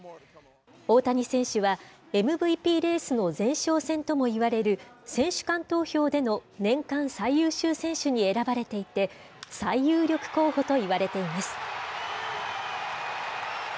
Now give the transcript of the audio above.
大谷選手は、ＭＶＰレースの前哨戦ともいわれる選手間投票での年間最優秀選手に選ばれていて、最有力候補といわれています。